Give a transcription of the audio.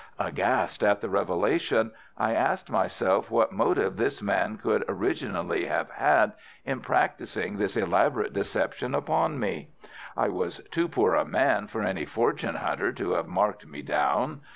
Aghast at the revelation, I asked myself what motive this man could originally have had in practising this elaborate deception upon me. I was too poor a man for any fortune hunter to have marked me down.